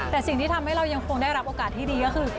แต่สิ่งที่ทำให้เรายังคงได้รับโอกาสที่ดีก็คือ